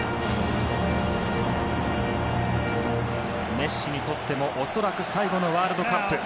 メッシにとっても恐らく最後のワールドカップ。